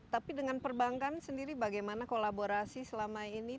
tapi dengan perbankan sendiri bagaimana kolaborasi selama ini